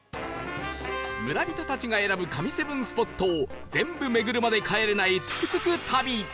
村人たちが選ぶ神７スポットを全部巡るまで帰れないトゥクトゥク旅